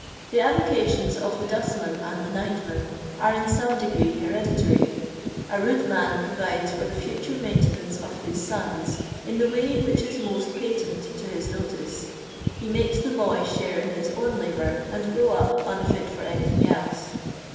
The aVMations of the dustman and the nightman are in some degree hereditary. A rude man provides for the fotore ipaintenanee of his sons in the way which is most patent to his notice; he makes the boy share in his own labonr, and grow np unfit for anything else.